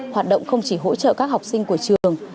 hoạt động không chỉ hỗ trợ các học sinh của trường